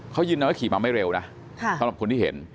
เขายืนยันว่าขี่มาไม่เร็วนะสำหรับคนที่เห็น